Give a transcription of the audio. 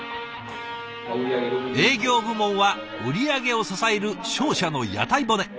営業部門は売り上げを支える商社の屋台骨。